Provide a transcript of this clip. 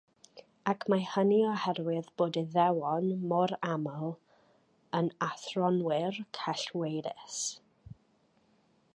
Ac mae hynny oherwydd bod Iddewon mor aml yn athronwyr cellweirus.